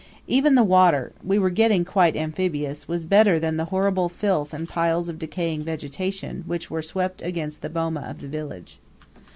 Even the water we were getting quite amphibious was better than the horrible filth and piles of decaying vegetation which were swept against the boma of the village.